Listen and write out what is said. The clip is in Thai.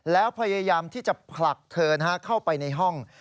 แล้วพยายามที่จะผลักเธอเข้าไปในห้อง